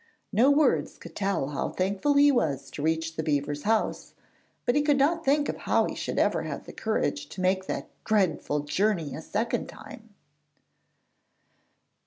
No words could tell how thankful he was to reach the beaver's house, but he could not think how he should ever have the courage to make that dreadful journey a second time.